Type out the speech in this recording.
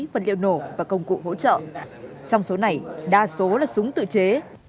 vật liệu nổ và công cụ hỗ trợ trong số này đa số là súng tự chế